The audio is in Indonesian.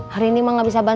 hari ini mah nggak bisa